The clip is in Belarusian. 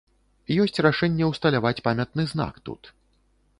Ёсць рашэнне ўсталяваць памятны знак тут.